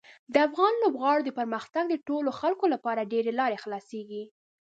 د افغان لوبغاړو د پرمختګ د ټولو خلکو لپاره ډېرې لارې خلاصیږي.